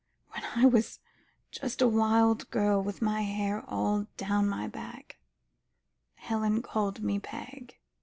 "When I was just a wild girl with my hair all down my back, Helen called me Peg.